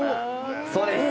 そうです！